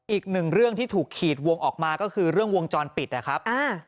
อีกหนึ่งเรื่องที่ถูกขีดวงออกมาก็คือเรื่องวงจรปิดนะครับ